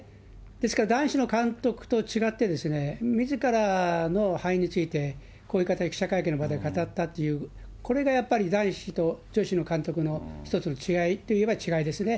ですから、男子の監督と違って、みずからの敗因について、こういう形で、記者会見の場で語ったっていう、これがやっぱり男子と女子の監督の一つの違いといえば違いですね。